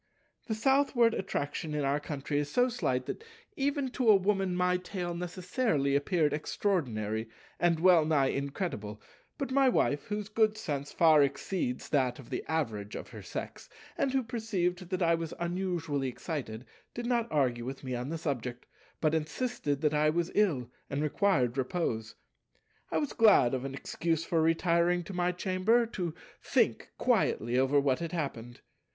The Southward attraction in our country is so slight that even to a Woman my tale necessarily appeared extraordinary and well nigh incredible; but my Wife, whose good sense far exceeds that of the average of her Sex, and who perceived that I was unusually excited, did not argue with me on the subject, but insisted that I was ill and required repose. I was glad of an excuse for retiring to my chamber to think quietly over what had happened.